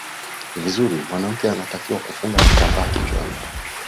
vizuri mwanamke anatakiwa kufunga kitambaa kichwani ni